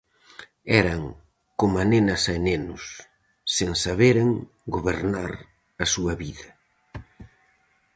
Eran "coma nenas e nenos", sen saberen gobernar a súa vida.